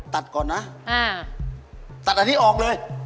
ตัดก่อนนะตัดอันนี้ออกเลย